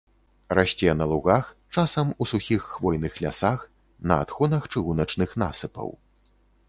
Расце на лугах, часам у сухіх хвойных лясах, на адхонах чыгуначных насыпаў.